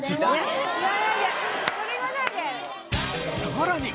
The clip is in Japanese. さらに